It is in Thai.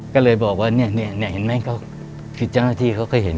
ก็เลยบอกว่าเนี้ยเนี้ยเห็นไหมเขาคิดจังนะที่เขาเคยเห็น